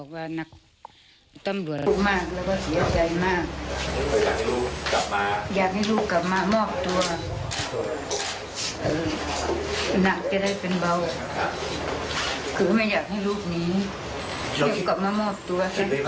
พ่อแม่ของเปรี้ยวอยากให้ลูกหนีอยู่กลับมามอบตัว